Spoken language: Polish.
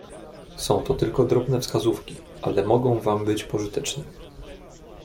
"Są to tylko drobne wskazówki ale mogą wam być pożyteczne."